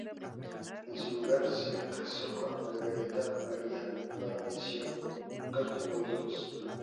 En su lugar, se casó con Margarita María Farnesio y nunca tuvo hijos.